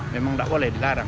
memang tidak boleh dilarang